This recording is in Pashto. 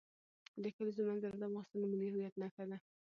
د کلیزو منظره د افغانستان د ملي هویت نښه ده.